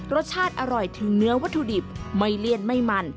รสชาติอร่อยถึงเนื้อวัตถุดิบไม่เลี่ยนไม่มัน